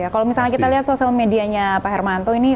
kalau misalnya kita lihat sosial medianya pak hermanto ini